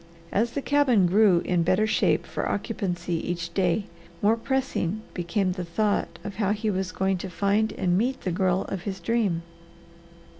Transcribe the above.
As the cabin grew in better shape for occupancy each day, more pressing became the thought of how he was going to find and meet the girl of his dream.